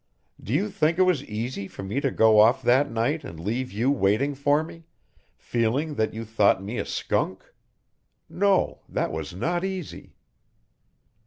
Do you think it was easy for me to go off that night and leave you waiting for me, feeling that you thought me a skunk? No, that was not easy."